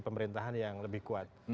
pemerintahan yang lebih kuat